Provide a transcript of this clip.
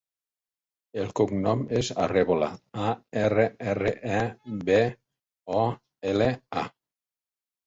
El cognom és Arrebola: a, erra, erra, e, be, o, ela, a.